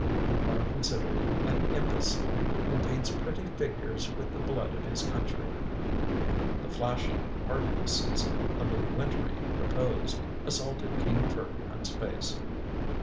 You are con sidered an imbecile who paints pretty figures with the blood of his country." The flashing hardnesses of a wintry repose assaulted King Ferdinand's face.